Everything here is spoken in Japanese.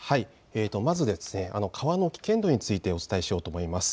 まず川の危険度についてお伝えしようと思います。